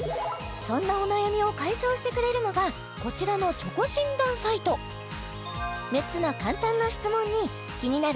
そんなお悩みを解消してくれるのがこちらの６つの簡単な質問に気になる